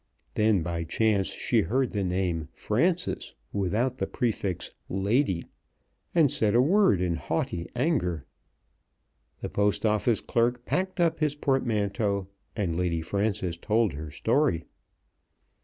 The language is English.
Then by chance she heard the name "Frances" without the prefix "Lady," and said a word in haughty anger. The Post Office clerk packed up his portmanteau, and Lady Frances told her story.